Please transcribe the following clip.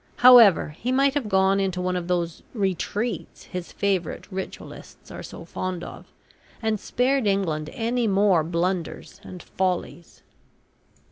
However, he might have gone into one of those `retreats' his favourite Ritualists are so fond of, and spared England any more blunders and follies."